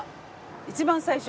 一番最初？